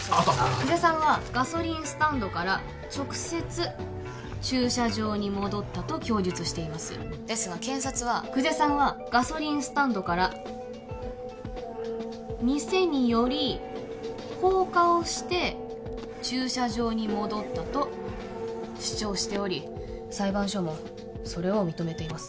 久世さんはガソリンスタンドから直接駐車場に戻ったと供述していますですが検察は久世さんはガソリンスタンドから店に寄り放火をして駐車場に戻ったと主張しており裁判所もそれを認めています